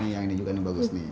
ini yang digunakan bagus nih